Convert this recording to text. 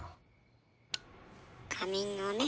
仮眠をね。